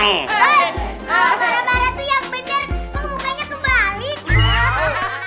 kepala aja balik tuh bom